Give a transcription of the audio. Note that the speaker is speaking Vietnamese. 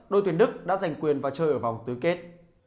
đội tuyển đức đã giành quyền và chơi ở vòng tứ kết